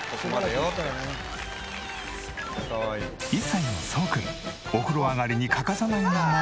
１歳のそうくんお風呂上がりに欠かさないのが。